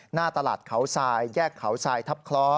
หน้าตลาดเขาทรายแยกเขาทรายทับคล้อ